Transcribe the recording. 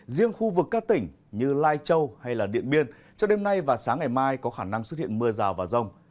riêng khu vực các tỉnh như lai châu hay điện biên cho đêm nay và sáng ngày mai có khả năng xuất hiện mưa rào và rông